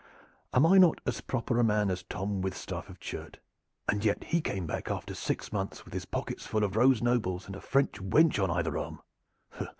Am I not as proper a man as Tom Withstaff of Churt? And yet he came back after six months with his pockets full of rose nobles and a French wench on either arm."